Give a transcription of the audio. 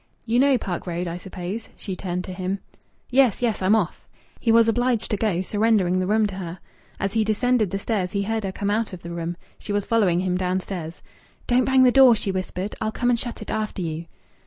"You know Park Road, I suppose?" she turned to him. "Yes, yes, I'm off!" He was obliged to go, surrendering the room to her. As he descended the stairs he heard her come out of the room. She was following him downstairs. "Don't bang the door," she whispered. "I'll come and shut it after you."